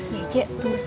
ya cik terus